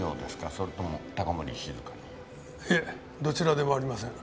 それとも高森静香に？いえどちらでもありません。